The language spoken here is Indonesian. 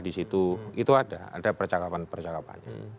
di situ itu ada ada percakapan percakapannya